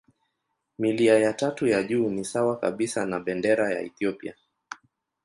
Milia ya tatu ya juu ni sawa kabisa na bendera ya Ethiopia.